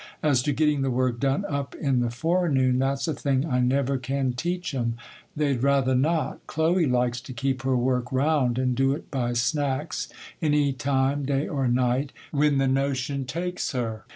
'As to getting the work done up in the forenoon, that's a thing I never can teach 'em; they'd rather not. Chloe likes to keep her work 'round, and do it by snacks, any time, day or night, when the notion takes her.